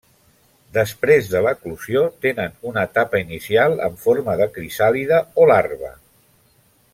Després de l'eclosió tenen una etapa inicial en forma de crisàlide o larva.